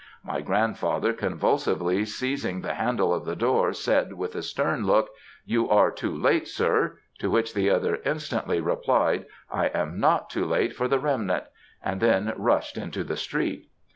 My grandfather convulsively seizing the handle of the door, said, with a stern look, "you are too late sir," to which the other instantly replied, "I am not too late for the remnant," and then rushed into the street.